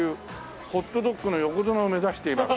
ホットドッグの横綱を目指してます！」